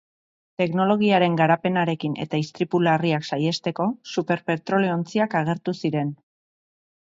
Teknologiaren garapenarekin eta istripu larriak saihesteko, super petrolio-ontziak agertu ziren.